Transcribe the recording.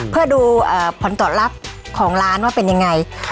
เพื่อดูผลตอบรับของร้านว่าเป็นยังไง